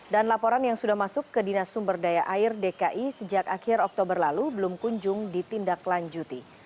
dan laporan yang sudah masuk ke dinas sumber daya air dki sejak akhir oktober lalu belum kunjung ditindaklanjuti